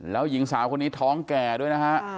แล้วหญิงสาวคนนี้ท้องแก่ด้วยนะฮะ